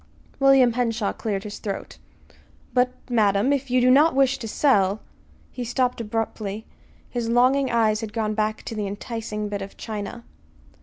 William Henshaw cleared his throat. "But, madam, if you do not wish to sell " He stopped abruptly. His longing eyes had gone back to the enticing bit of china.